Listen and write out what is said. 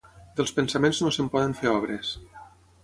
Dels pensaments no se'n poden fer obres.